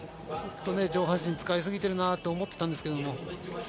上半身使いすぎているなと思っていたんですけど。